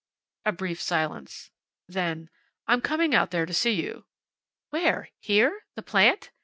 A brief silence. Then, "I'm coming out there to see you." "Where? Here? The plant!